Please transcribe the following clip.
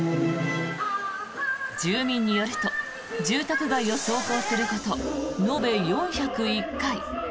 住民によると住宅街を走行すること延べ４０１回。